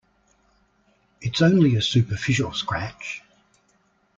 It's only a superficial scratch.